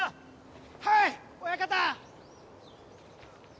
はい親方！